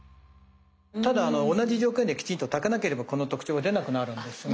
ただ同じ条件できちんと炊かなければこの特徴が出なくなるんですよね。